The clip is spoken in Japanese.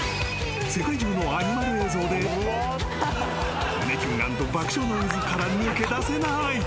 世界中のアニマル映像で胸キュン＆爆笑の渦から抜け出せない。